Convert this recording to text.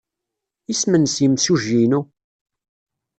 Isem-nnes yimsujji-inu?